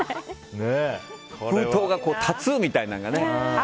封筒が立つみたいなのがね。